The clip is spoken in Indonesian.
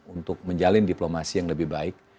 untuk menjalin diplomasi yang lebih baik